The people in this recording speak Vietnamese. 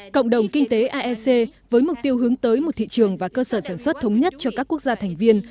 cộng đồng kinh tế aec với mục tiêu hướng tới một thị trường và cơ sở sản xuất thống nhất cho các quốc gia thành viên